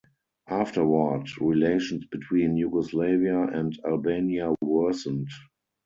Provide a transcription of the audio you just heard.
Afterward, relations between Yugoslavia and Albania worsened.